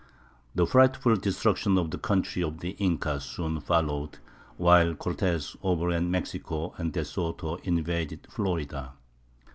The frightful destruction of the country of the Incas soon followed, while Cortés overran Mexico and De Soto invaded Florida.